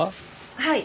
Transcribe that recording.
はい。